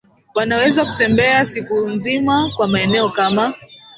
wanaweza kutembea siku nzima kwa maeneo kama